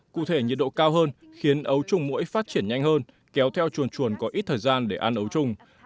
cụ thể nhiệt độ cao hơn khiến ấu trùng mũi phát triển nhanh hơn kéo theo chuồn chuồn có ít thời gian để ăn ấu trùng